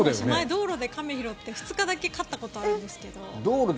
前に道路で亀を拾って２日だけ飼ったことがあるんですけど。